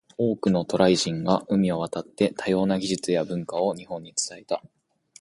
多くの渡来人が海を渡って、多様な技術や文化を日本に伝えた。